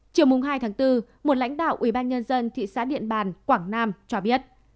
chiều hai tháng bốn một lãnh đạo ubnd thị xã điện bàn quảng nam cho biết